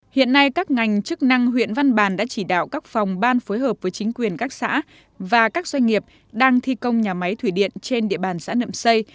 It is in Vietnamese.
hiện nay các ngành chức năng huyện văn bàn đã chỉ đạo các phòng ban phối hợp với chính quyền các xã và các doanh nghiệp đang thi công nhà máy thủy điện trên địa bàn xã nậm xây